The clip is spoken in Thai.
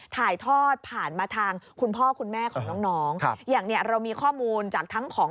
ถ่ายทอดผ่านมาทางคุณพ่อคุณแม่ของน้องน้องครับอย่างเนี่ยเรามีข้อมูลจากทั้งของ